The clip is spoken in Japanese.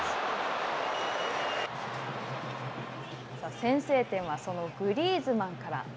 先制点は、そのグリーズマンから。